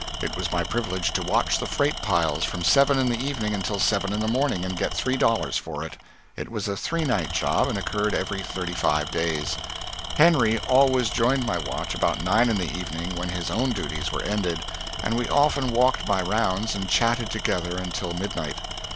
It was my privilege to watch the freight piles from seven in the evening until seven in the morning, and get three dollars for it. It was a three night job and occurred every thirty five days. Henry always joined my watch about nine in the evening, when his own duties were ended, and we often walked my rounds and chatted together until midnight.